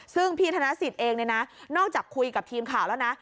ซึ่งพี่ธนสิทธิ์เองเนี่ยนะนอกจากคุยกับทีมข่าวแล้วนะ